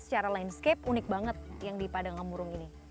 secara landscape unik banget yang di padang amurung ini